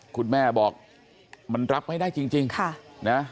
คุณแม่บอกมันรับไม่ได้จริงค่ะนะ